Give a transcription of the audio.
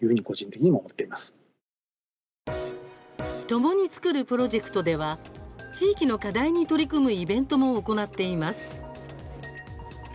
“共に創る”プロジェクトでは地域の課題に取り組むイベントも行っています。